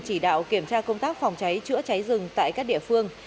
chỉ đạo kiểm tra công tác phòng cháy chữa cháy rừng tại các địa phương